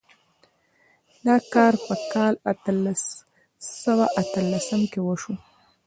دا کار په کال اتلس سوه اتلسم کې وشو.